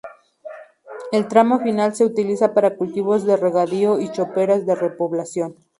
El tramo final se utiliza para cultivos de regadío y choperas de repoblación.